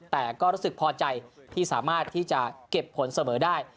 แต่ก็รู้สึกพอใจที่สามารถที่จะเก็บผลเสมอได้